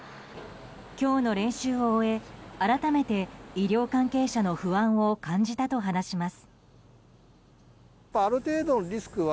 今日の練習を終え改めて医療関係者の不安を感じたと話します。